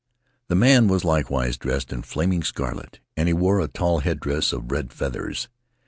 The man was likewise dressed in flaming scarlet, and he wore a tall headdress of red feathers.